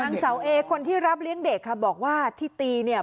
นางเสาเอคนที่รับเลี้ยงเด็กค่ะบอกว่าที่ตีเนี่ย